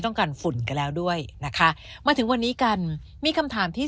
กันฝุ่นกันแล้วด้วยนะคะมาถึงวันนี้กันมีคำถามที่